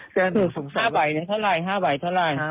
๕ใบเนี่ยเท่าไร๕ใบเท่าไร